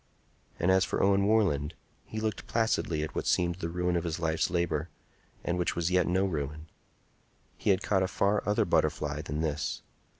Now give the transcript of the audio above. And as for Owen Warland, he looked placidly at what seemed the ruin of his life's labor, and which was yet no ruin. He had caught a far other butterfly than this.